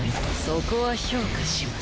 そこは評価します。